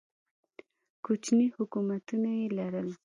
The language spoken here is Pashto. کوچني حکومتونه یې لرل.